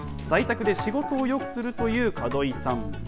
在宅で仕事をよくするという門井さん。